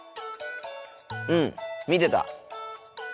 うん見てた。